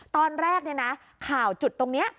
ตอนแรกข่าวจุดตรงนี้